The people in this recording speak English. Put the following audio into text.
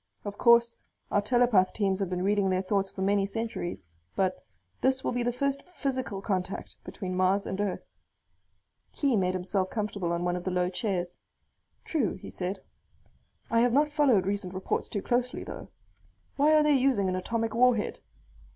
Of course our telepath teams have been reading their thoughts for many centuries, but this will be the first physical contact between Mars and Earth." Khee made himself comfortable on one of the low chairs. "True," he said. "I have not followed recent reports too closely, though. Why are they using an atomic warhead?